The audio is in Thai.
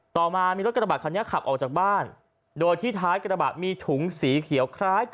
ต่อมามีรถกระดะบัดขับออกจากบ้านโดยที่ท้ายกระดะบัดมีถุงสีเขียว